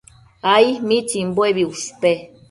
Ai. ¿mitsimbuebi ushpe?